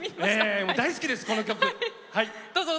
大好きです、この曲。